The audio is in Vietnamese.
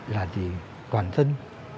là để toàn dân